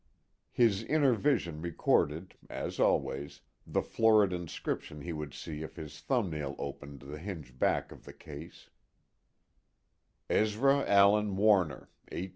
His inner vision recorded, as always, the florid inscription he would see if his thumbnail opened the hinged back of the case: Ezra Allen Warner, 1880.